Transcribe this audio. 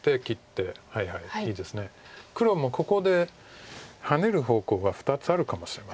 黒もここでハネる方向が２つあるかもしれませんけど。